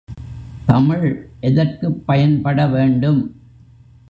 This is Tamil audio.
தமிழ் எதற்குப் பயன்பட வேண்டும்?